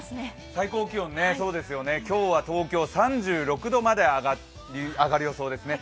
最高気温、今日は東京３６度まで上がる予想ですね。